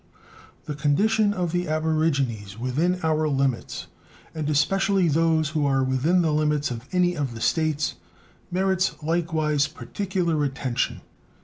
The condition of the aborigines within our limits, and especially those who are within the limits of any of the States, merits likewise particular attention.